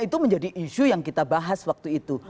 itu menjadi isu yang kita bahas waktu itu